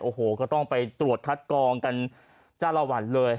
โอ้โหก็ต้องไปตรวจคัดกองกันจ้าละวันเลย